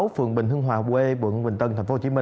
phường bình hưng hòa b quận bình tân tp hcm